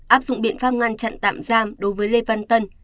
áp dụng biện pháp ngăn chặn tạm giam đối với lê văn tân